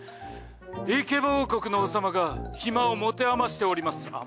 『イケボ王国の王様がヒマをもてあましておりますっ！！』。